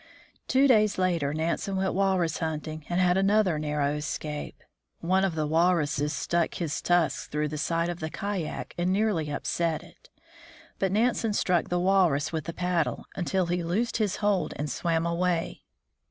Two days later Nansen went walrus hunting, and had another narrow escape. One of the walruses stuck his tusks through the side of the kayak and nearly upset it, but Nansen struck the walrus with the paddle until he loosed his hold and swam away.